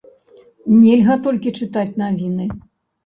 Нельга толькі чытаць навіны.